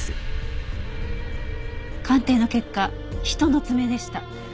鑑定の結果人の爪でした。